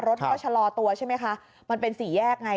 รถเขาชะลอตัวใช่ไหมคะ